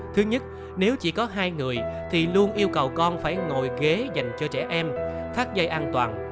thứ nhất nếu chỉ có hai người thì luôn yêu cầu con phải ngồi ghế dành cho trẻ em thắt dây an toàn